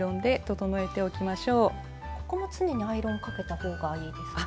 ここも常にアイロンかけた方がいいですか？